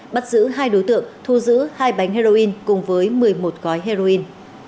bắt giữ hai đối tượng thu giữ hai bánh heroin cùng với một mươi một gói heroin